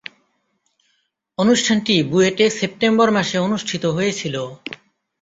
অনুষ্ঠানটি বুয়েটে সেপ্টেম্বর মাসে অনুষ্ঠিত হয়েছিলো।